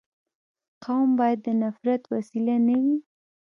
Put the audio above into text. قوم باید د نفرت وسیله نه وي.